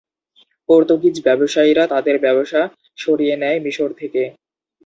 Portuguese ব্যবসায়ীরা তাদের ব্যবসা সরিয়ে নেয় মিশর থেকে।